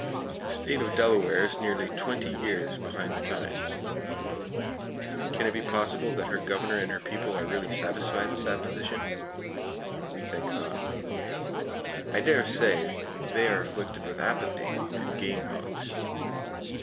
The state of Delaware is nearly twenty years behind the times. Can it be possible that her Governor and her people are really satisfied with that position? We think not. I dare say they are afflicted with apathy, and game hogs.